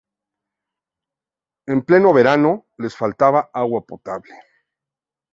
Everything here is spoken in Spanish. En pleno verano, les faltaba agua potable.